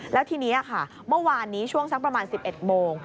แล้วทีนี้ค่ะเมื่อวานนี้ช่วงสักประมาณ๑๑โมง